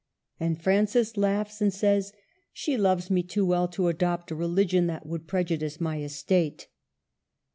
And Francis laughs, and says, '' She loves me too well to adopt a religion that would prejudice my estate